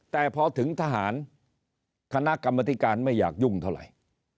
แต่พอถึงทหารคณะกรรมธิการไม่อยากยุ่งเท่าไหร่